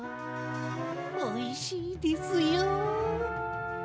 おいしいですよ。